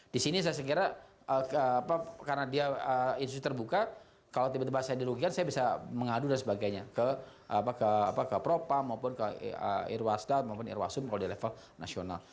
di sini saya kira karena dia institusi terbuka kalau tiba tiba saya dirugikan saya bisa mengadu dan sebagainya ke propam maupun ke irwasda maupun irwasum kalau di level nasional